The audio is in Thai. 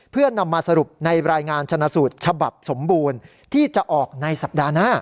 เพื่อนำมาสรุปในรายงานชนะสูตรฉบับสมบูรณ์ที่จะออกในสัปดาห์หน้า